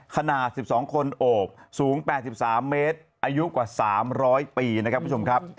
ขนาด๑๒คนโอบสูง๘๓เมตรอายุกว่า๓๐๐ปีนะครับคุณผู้ชมครับ